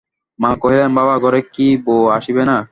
মা কহিলেন, বাবা, ঘরে কি বউ আসিবে না?